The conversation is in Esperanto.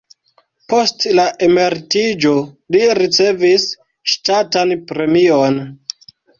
Post la emeritiĝo li ricevis ŝtatan premion.